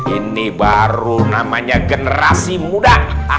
ini baru namanya generasi muda